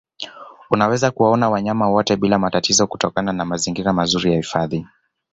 Unaweza kuwaona wanyama wote bila matatizo kutokana na mazingira mazuri ya hifadhi